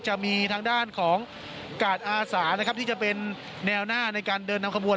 จะมีทางด้านของกาดอาสานะครับที่จะเป็นแนวหน้าในการเดินนำขบวน